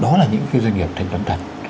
đó là những cái doanh nghiệp thanh toán rút tiền